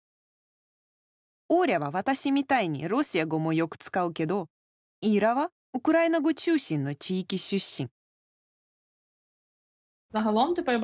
オーリャは私みたいにロシア語もよく使うけどイーラはウクライナ語中心の地域出身。